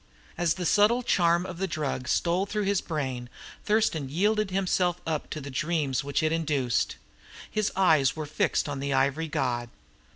As the subtle charm of the drug stole through his brain, Thurston yielded himself up to the dreams which it induced. His eyes were fixed on the ivory god.